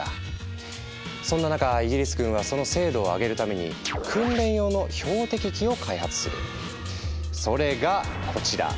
そんな中イギリス軍はその精度を上げるためにそれがこちら！